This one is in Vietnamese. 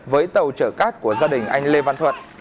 với tàu chở cát của gia đình anh lê văn thuận